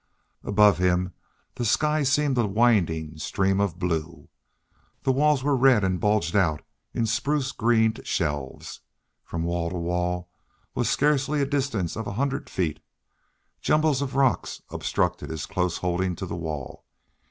Above him the sky seemed a winding stream of blue. The walls were red and bulged out in spruce greened shelves. From wall to wall was scarcely a distance of a hundred feet. Jumbles of rock obstructed his close holding to the wall.